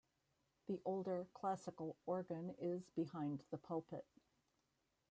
The older, Classical organ is behind the pulpit.